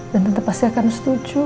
dan tante pasti akan setuju